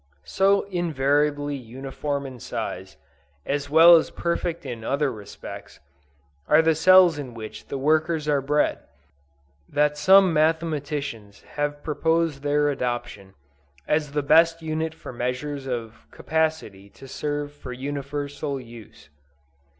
So invariably uniform in size, as well as perfect in other respects, are the cells in which the workers are bred, that some mathematicians have proposed their adoption, as the best unit for measures of capacity to serve for universal use.